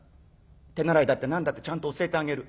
手習いだって何だってちゃんと教えてあげる。